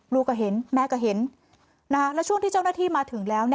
ลูกก็เห็นแม่ก็เห็นแล้วช่วงที่เจ้าหน้าที่มาถึงแล้ว